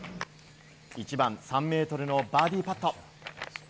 １番、３ｍのバーディーパット。